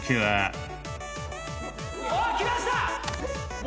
きました！